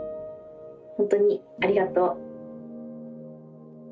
本当にありがとう。